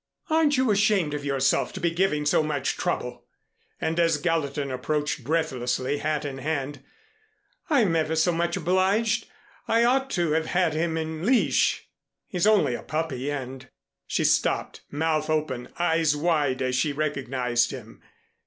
"Aren't you ashamed of yourself to be giving so much trouble!" And as Gallatin approached, breathlessly, hat in hand, "I'm ever so much obliged. I ought to have had him in leash. He's only a puppy and " She stopped, mouth open, eyes wide as she recognized him.